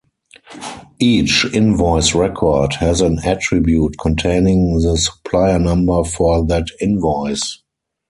Each invoice record has an attribute containing the supplier number for that invoice.